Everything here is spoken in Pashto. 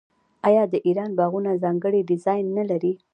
آیا د ایران باغونه ځانګړی ډیزاین نلري؟